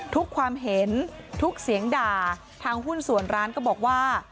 ความเห็นทุกเสียงด่าทางหุ้นส่วนร้านก็บอกว่า